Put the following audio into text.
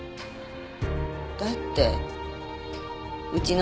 だってうちの旦那